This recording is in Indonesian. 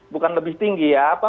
bukan lebih tinggi ya